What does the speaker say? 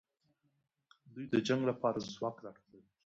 دوی د جنګ لپاره ځواک راټولوي.